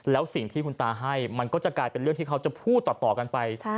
แล้วสิ่งที่คุณตาให้มันก็จะกลายเป็นเรื่องที่เขาจะพูดต่อกันไป